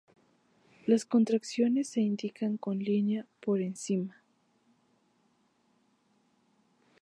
Las contracciones se indican con línea por encima.